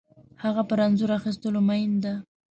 هغه پر انځور اخیستلو مین ده